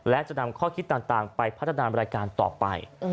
และจะนำข้อคิดต่างไปพัฒนารายการต่อไป